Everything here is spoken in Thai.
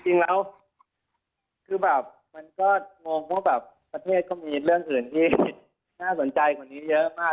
จริงแล้วคือแบบมันก็งงว่าแบบประเทศก็มีเรื่องอื่นที่น่าสนใจกว่านี้เยอะมาก